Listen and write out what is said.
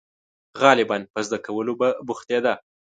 • غالباً په زده کولو به بوختېده.